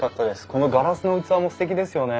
このガラスの器もすてきですよね。